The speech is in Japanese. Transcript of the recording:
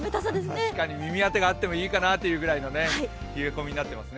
確かに、耳当てがあってもいいかなぐらいの冷え込みになってますね。